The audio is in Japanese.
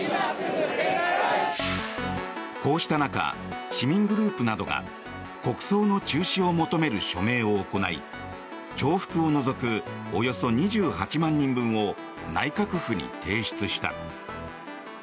こうした中市民グループなどが国葬の中止を求める署名を行い重複を除くおよそ２８万人分を内閣府に提出した。